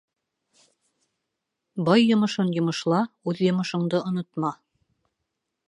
Бай йомошон йомошла, үҙ йомошоңдо онотма.